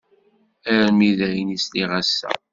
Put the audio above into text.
Armi d ayen, i sliɣ ass-a.